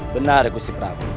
benar puski prabu